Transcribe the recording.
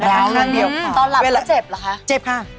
ลงข้างเดียวค่ะตอนหลับมันเจ็บเหรอคะเจ็บค่ะ